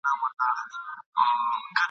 نه په ويښه نه په خوب کي